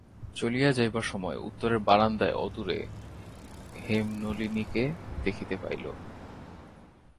চলিয়া যাইবার সময় উত্তরের বারান্দায় অদূরে হেমনলিনীকে দেখিতে পাইল।